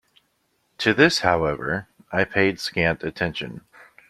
To this, however, I paid scant attention.